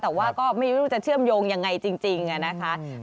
แต่ว่าก็ไม่รู้จะเชื่อมโยงยังไงจริงนะคะ